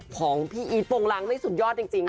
ของพี่อีทโปรงรังนี่สุดยอดจริง